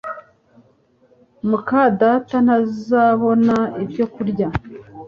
muka data ntazabona ibyo kurya